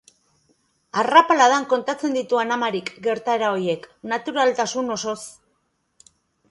Arrapaladan kontatzen ditu Ana Marik gertaera haiek, naturaltasun osoz.